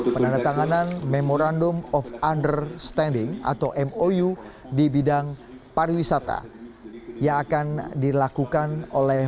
penandatanganan memorandum of understanding atau mou di bidang pariwisata yang akan dilakukan oleh